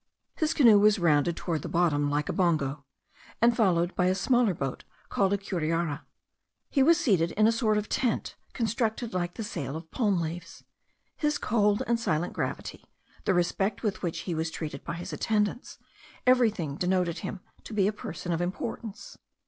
His canoe was rounded toward the bottom like a bongo, and followed by a smaller boat called a curiara. He was seated beneath a sort of tent, constructed, like the sail, of palm leaves. His cold and silent gravity, the respect with which he was treated by his attendants, everything denoted him to be a person of importance.